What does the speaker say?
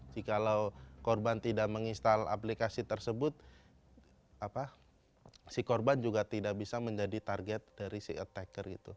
jikalau korban tidak menginstal aplikasi tersebut si korban juga tidak bisa menjadi target dari si attacker